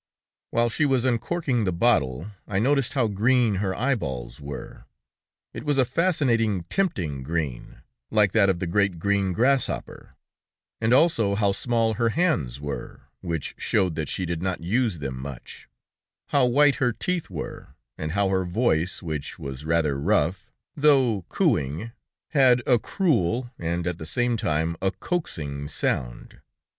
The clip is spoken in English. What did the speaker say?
While she was uncorking the bottle I noticed how green her eyeballs were; it was a fascinating, tempting green, like that of the great green grasshopper; and also how small her hands were, which showed that she did not use them much; how white her teeth were, and how her voice, which was rather rough, though cooing, had a cruel, and at the same time, a coaxing sound.